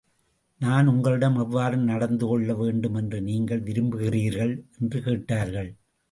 நான் உங்களிடம் எவ்வாறு நடந்து கொள்ள வேண்டும் என்று நீங்கள் விரும்புகிறீர்கள்? என்று கேட்டார்கள்.